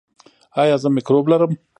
ایا زه مکروب لرم؟